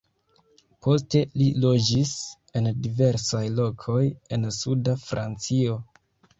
Poste li loĝis en diversaj lokoj en suda Francio.